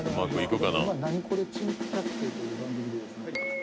今『ナニコレ珍百景』という番組でですね。